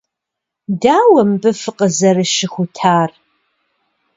Дауэ мыбы фыкъызэрыщыхутар?